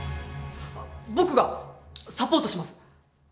僕がサポートします！